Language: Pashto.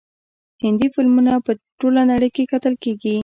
هندي فلمونه په ټوله نړۍ کې کتل کیږي.